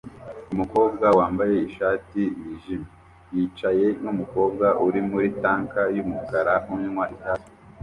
Umukobwa wambaye ishati yijimye yicaye numukobwa uri muri tank yumukara unywa itabi